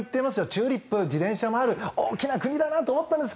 チューリップ、自転車もある大きな国だなと思ったんです。